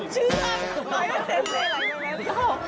ชื่ออะไร